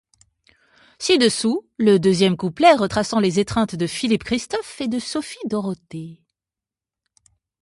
Ci-dessous le deuxième couplet retraçant les étreintes de Philippe-Christophe et de Sophie-Dorothée.